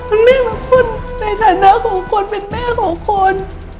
มันไม่มีคนในฐานะของคนเป็นแม่ของคน